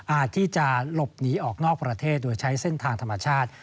ที่จะหลบหนีออกนอกประเทศโดยใช้เส้นทางธรรมชาติ